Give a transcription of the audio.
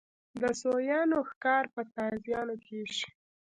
د سویانو ښکار په تازیانو کېږي.